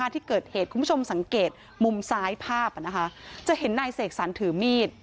ที่เกิดเหตุคุณผู้ชมสังเกตมุมซ้ายภาพจะเห็นนายเสกสรรถือมีด